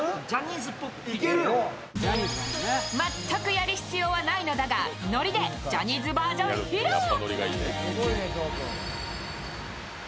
全くやる必要はないのだがノリでジャニーズバージョン披露。